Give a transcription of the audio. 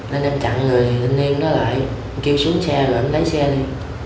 nên em chặn người hình niên đó lại em kêu xuống xe rồi em lấy xe đi